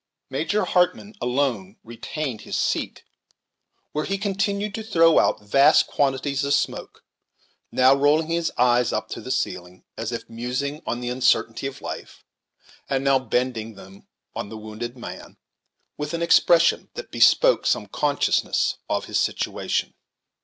Major Hartmann alone retained his seat, where he continued to throw out vast quantities of smoke, now rolling his eyes up to the ceiling, as if musing on the uncertainty of life, and now bending them on the wounded man, with an expression that bespoke some consciousness of his situation.